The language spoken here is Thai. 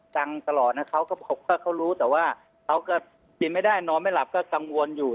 ตลอดนะเขาก็เขารู้แต่ว่าเขาก็กินไม่ได้นอนไม่หลับก็กังวลอยู่